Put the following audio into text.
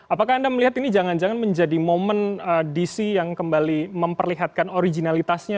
apakah anda melihat ini jangan jangan menjadi momen dc yang kembali memperlihatkan originalitasnya